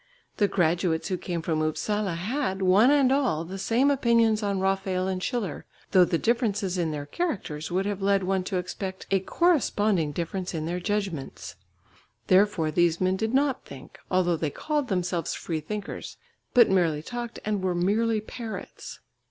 The graduates who came from Upsala had, one and all, the same opinions on Rafael and Schiller, though the differences in their characters would have led one to expect a corresponding difference in their judgments. Therefore these men did not think, although they called themselves free thinkers, but merely talked and were merely parrots.